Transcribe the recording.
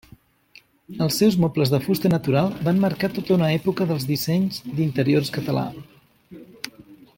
Els seus mobles de fusta natural van marcar tota una època del disseny d'interiors català.